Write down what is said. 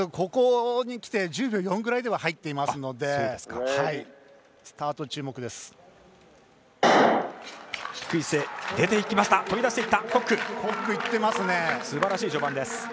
ここにきて１０秒４ぐらいでは入っていますのでスタート、注目です。